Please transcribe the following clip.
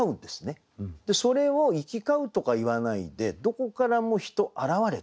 それを「行き交う」とか言わないで「どこからも人現れて」と。